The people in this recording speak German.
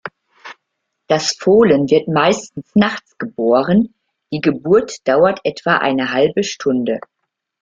Das Fohlen wird meistens nachts geboren, die Geburt dauert etwa eine halbe Stunde.